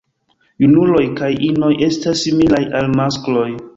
Junuloj kaj inoj estas similaj al maskloj.